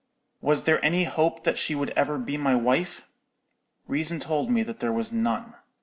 "Was there any hope that she would ever be my wife? Reason told me that there was none.